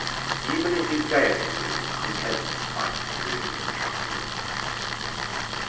Even in his gaiety there was an unpleasant spice of greed and truculence.